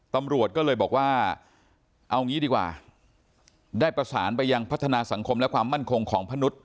ตำรวจก็เลยบอกว่าเอางี้ดีกว่าได้ประสานไปยังพัฒนาสังคมและความมั่นคงของมนุษย